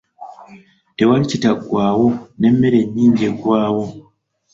Tewali kitaggwaawo, n'emmere enyinji eggwawo.